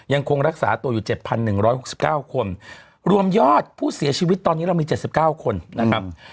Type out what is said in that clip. ยังคงรักษาตัวอยู่๗๑๖๙คนรวมยอดผู้เสียชีวิตตอนนี้เรามี๗๙คนนะครับ